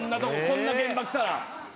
こんな現場来たら。